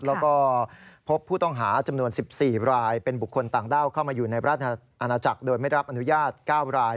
แล้วก็พบผู้ต้องหาจำนวน๑๔รายเป็นบุคคลต่างด้าวเข้ามาอยู่ในราชอาณาจักรโดยไม่รับอนุญาต๙ราย